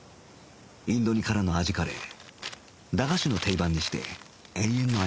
インド煮からの味カレー駄菓子の定番にして永遠のアイドル